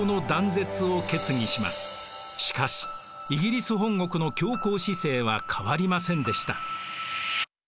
しかしイギリス本国の強硬姿勢は変わりませんでした。